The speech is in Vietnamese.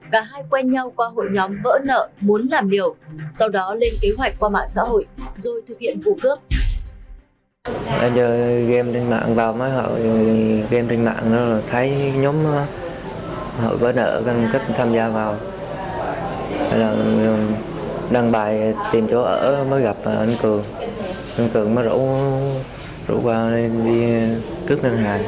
cả hai quen nhau qua hội nhóm vỡ nợ muốn làm liều sau đó lên kế hoạch qua mạng xã hội rồi thực hiện vụ cướp